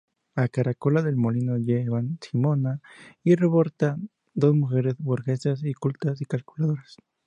A Caracolas del Molino llegan Simona y Roberta, dos mujeres burguesas, cultas y calculadoras.